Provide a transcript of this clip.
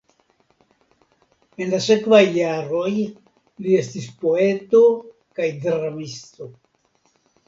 En la sekvaj jaroj li estis poeto kaj dramisto.